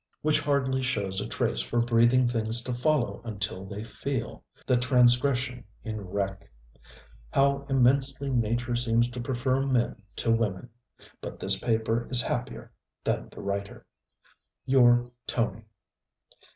which hardly shows a trace for breathing things to follow until they feel the transgression in wreck. How immensely nature seems to prefer men to women! But this paper is happier than the writer. 'Your TONY.'